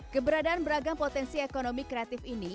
keberadaan beragam potensi ekonomi kreatif ini